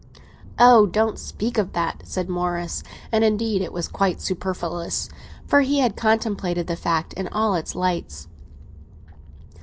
"Oh, don't speak of that!" said Morris; and, indeed, it was quite superfluous, for he had contemplated the fact in all its lights.